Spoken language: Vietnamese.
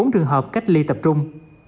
ba mươi bốn trường hợp cách ly tập trung